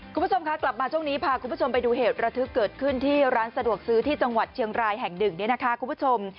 คุณผู้ชมคะกลับมาช่วงนี้พาคุณผู้ชมไปดูเหตุระทึกเกิดขึ้นที่ร้านสะดวกซื้อที่จังหวัดเชียงรายแห่งหนึ่งเนี่ยนะคะคุณผู้ชม